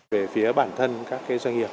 về phía bản thân các doanh nghiệp